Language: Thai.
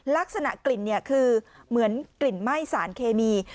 ลักษณะกลิ่นคือเหมือนกลิ่นไหม้สารเคมี